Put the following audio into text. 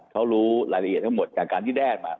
เขารู้รายละเอียดทั้งหมดจากการที่ได้มา